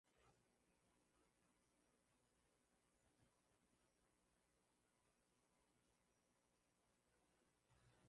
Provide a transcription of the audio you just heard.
vitu tu vilionekana kama vya kupendelewa havikuwa kama ni haki yetu ama right yetu